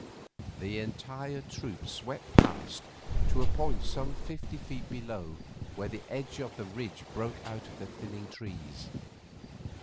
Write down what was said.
The entire troop swept past to a point some fifty feet below where the end of the ridge broke out of the thinning trees.